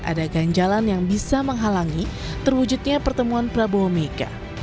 ada ganjalan yang bisa menghalangi terwujudnya pertemuan prabowo mega